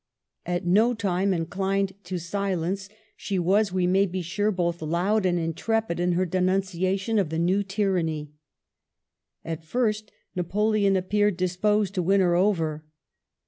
At no time inclined to silence, she was, we may be sure, both loud and intrepid in her denunciation of the new tyranny. At first Napoleon appeared disposed to win her over.